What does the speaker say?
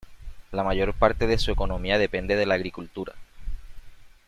La mayor parte de su economía depende de la agricultura.